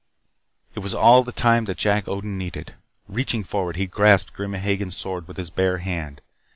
It was all the time that Jack Odin needed. Reaching forward he grasped Grim Hagen's sword with his bare hand.